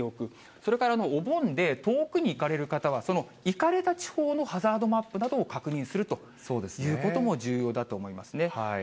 それからお盆で遠くに行かれる方は、その行かれた地方のハザードマップなどを確認するということも重要だと思いますね。